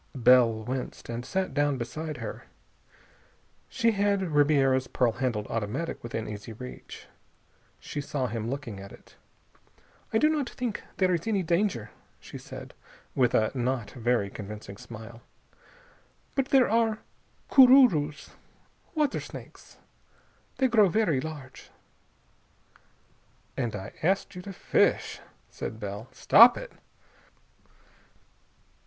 Bell winced, and sat down beside her. She had Ribiera's pearl handled automatic within easy reach. She saw him looking at it. "I do not think there is any danger," she said with a not very convincing smile, "but there are cururus water snakes. They grow very large." "And I asked you to fish!" said Bell. "Stop it!"